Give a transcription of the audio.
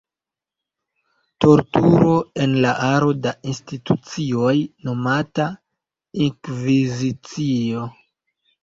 Torturo en la aro da institucioj nomataj “Inkvizicio”.